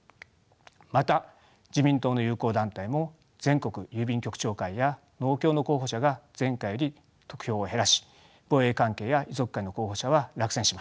また自民党の友好団体も全国郵便局長会や農協の候補者が前回より得票を減らし防衛関係や遺族会の候補者は落選しました。